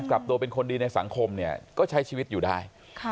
กลับตัวเป็นคนดีในสังคมเนี่ยก็ใช้ชีวิตอยู่ได้